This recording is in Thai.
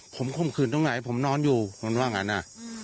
ผมคุ้มขึ้นตรงไหนผมนอนอยู่ตรงนั้นนะ